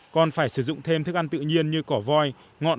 còn phải sử dụng thêm thức ăn tự nhiên như cỏ voi ngọn